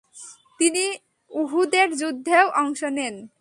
তিনি উহুদের যুদ্ধেও অংশ নেন।